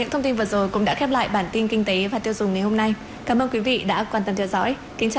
hẹn gặp lại quý vị